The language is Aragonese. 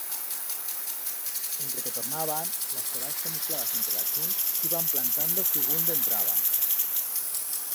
Entre que tornaban, las corals, camufladas entre la chent, s'iban plantando sigunt dentraban.